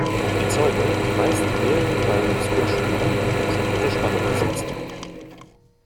Die Zäune, die meist in mehreren Reihen das Grundstück umgeben, sind unter Spannung gesetzt.